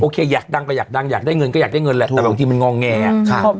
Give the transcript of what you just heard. อยากดังก็อยากดังอยากได้เงินก็อยากได้เงินแหละแต่บางทีมันงอแงอ่ะ